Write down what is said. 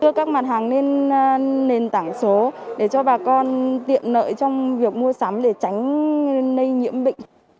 đưa các mặt hàng lên nền tảng số để cho bà con tiện lợi trong việc mua sắm để tránh lây nhiễm bệnh